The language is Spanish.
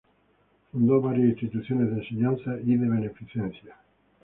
Fundó varias instituciones de enseñanza y de beneficencia.